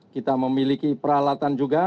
kita memiliki peralatan juga